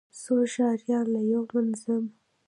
څو ښاريان له يو منظم،